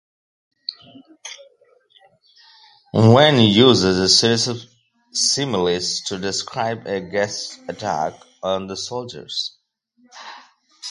Owen uses a series of similes to describe a gas attack on the soldiers.